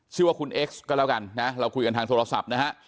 ชื่อว่าคุณเอ็กซ์ก็แล้วกันนะเราคุยกันทางโทรศัพท์นะฮะ